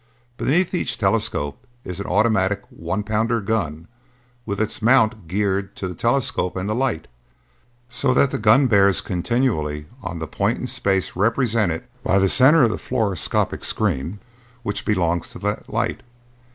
Beneath each telescope is an automatic one pounder gun with its mount geared to the telescope and the light, so that the gun bears continually on the point in space represented by the center of the fluoroscopic screen which belongs to that light.